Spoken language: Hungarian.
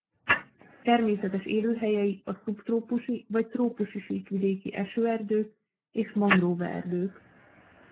Természetes élőhelyei a szubtrópusi vagy trópusi síkvidéki esőerdők és mangroveerdők.